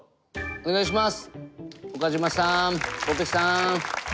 お願いします。